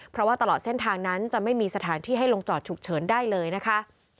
เพราะว่าตลอดเส้นทางนั้นจะไม่มีสถานที่ให้ลงจอดฉุกเฉินได้เลยนะคะ